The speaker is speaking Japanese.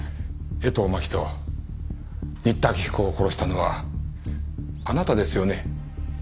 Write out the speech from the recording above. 江藤真紀と新田明彦を殺したのはあなたですよね？